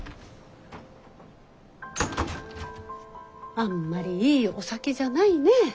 あんまりいいお酒じゃないね。